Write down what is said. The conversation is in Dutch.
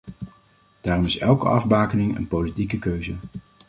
Daarom is elke afbakening een politieke keuze.